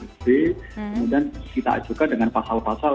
kemudian kita ajukan dengan pasal pasal